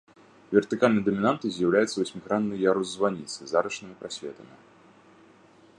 Вертыкальнай дамінантай з'яўляецца васьмігранны ярус званіцы з арачнымі прасветамі.